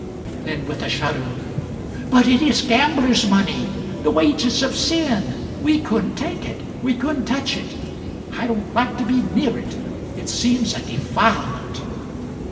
.." Then, with a shudder "But it is gamblers' money! the wages of sin; we couldn't take it; we couldn't touch it. I don't like to be near it; it seems a defilement."